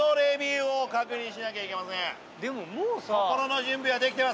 でももうさ。